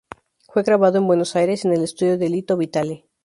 Fue grabado en Buenos Aires, en el estudio de Lito Vitale.